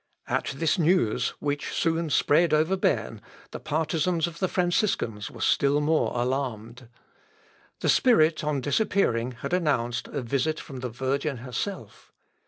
At this news, which soon spread over Berne, the partisans of the Franciscans were still more alarmed. The spirit on disappearing had announced a visit from the Virgin herself.